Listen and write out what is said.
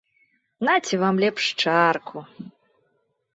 Наце вам лепш чарку.